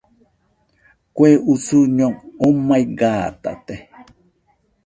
Kue usuño omai gatate